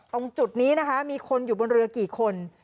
ตรงจุดนี้นะคะมีคนอยู่บนเรือกี่คน